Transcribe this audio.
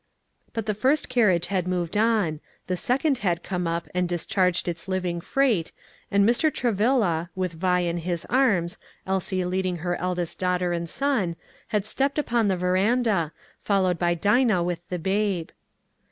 But the first carriage had moved on; the second had come up and discharged its living freight, and Mr. Travilla, with Vi in his arms, Elsie leading her eldest daughter and son, had stepped upon the veranda, followed by Dinah with the babe.